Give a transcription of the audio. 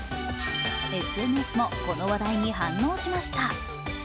ＳＮＳもこの話題に反応しました。